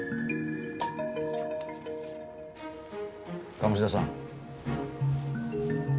鴨志田さん。